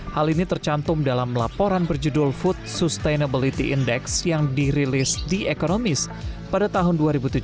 hal ini tercantum dalam laporan berjudul food sustainability index yang dirilis the economist pada tahun dua ribu tujuh belas